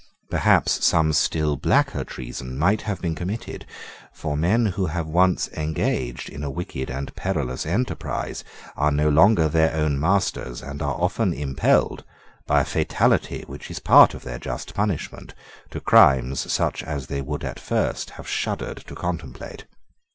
Perhaps some still blacker treason might have been committed; for men who have once engaged in a wicked and perilous enterprise are no longer their own masters, and are often impelled, by a fatality which is part of their just punishment, to crimes such as they would at first have shuddered to contemplate.